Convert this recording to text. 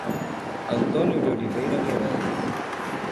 Antônio de Oliveira Meireles